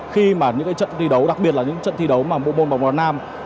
khi mà những trận thi đấu đặc biệt là những trận thi đấu mà bộ môn bóng đá nam